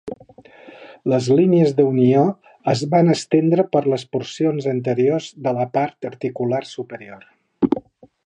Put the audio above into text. Les línies d'unió es van estendre per les porcions anteriors de la part articular superior.